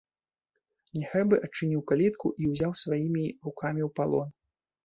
Няхай бы адчыніў калітку і ўзяў сваімі рукамі ў палон.